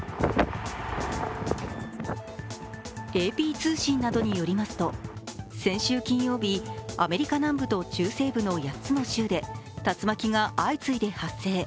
ＡＰ通信などによりますと先週金曜日、アメリカ南部と中西部の８つの州で竜巻が相次いで発生。